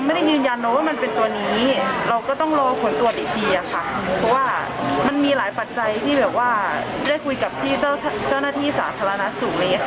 เพราะว่ามันมีหลายปัจจัยที่แบบว่าได้คุยกับที่เจ้าหน้าที่สาธารณสุข